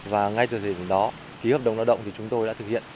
và ngay từ thời điểm đó ký hợp đồng lao động thì chúng tôi đã thực hiện